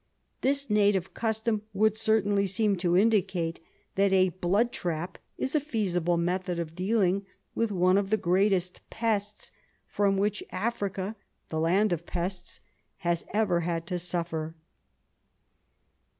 This native custom would certainly seem to indicate that a blood trap is a feasible method of dealing with one of the greatest pests from which Africa, the land of pests, has ever had to suffer."